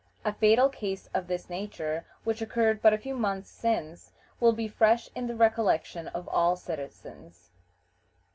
A fatal case of this nature, which occurred but a few months since, will be fresh in the recollection of all citizens.